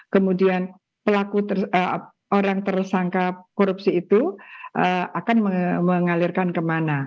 kemudian orang tersangka korupsi itu akan mengalirkan kemana